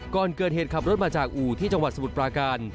ก่อนเกิดเหตุขับรถมาจากอู่ที่จังหวัดสมุทรปราการ